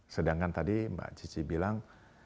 sedangkan tadi mbak cici bilang